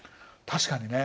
確かにね。